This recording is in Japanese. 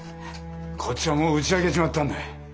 こっちはもう打ち明けちまったんだ。